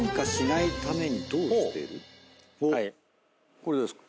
これ誰ですか？